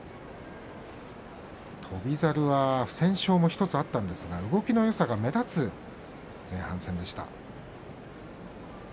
翔猿は不戦勝が１つあったんですが動きのよさが目立つ前半戦でした。